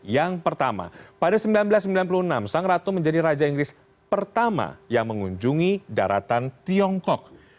yang pertama pada seribu sembilan ratus sembilan puluh enam sang ratu menjadi raja inggris pertama yang mengunjungi daratan tiongkok